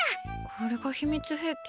これが秘密兵器？